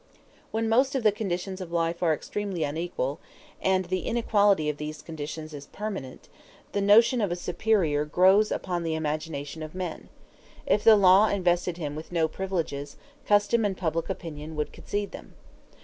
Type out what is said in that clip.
When most of the conditions of life are extremely unequal, and the inequality of these conditions is permanent, the notion of a superior grows upon the imaginations of men: if the law invested him with no privileges, custom and public opinion would concede them.